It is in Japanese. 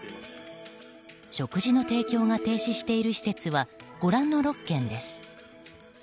食事の提供が停止している施設はご覧の６県です。